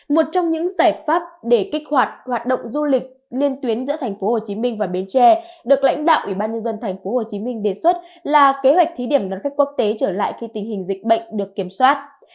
một trong những giải pháp để kích hoạt hoạt động du lịch liên tuyến giữa thành phố hồ chí minh và bến tre được lãnh đạo ủy ban nhân dân thành phố hồ chí minh đề xuất là kế hoạch thí điểm đón khách quốc tế trở lại khi tình hình dịch bệnh được kiểm soát